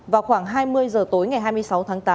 vào khoảng hai mươi giờ tối ngày hai mươi sáu tháng tám